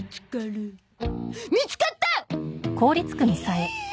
見つかった！